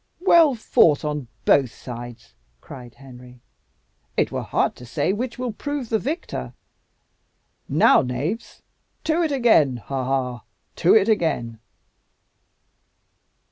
"Well fought on both sides!" cried Henry; "it were hard to say which will prove the victor. Now, knaves, to it again ha! ha! to it again!"